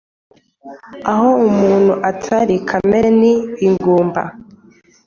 Aho umuntu Atari kamere ni ingumba.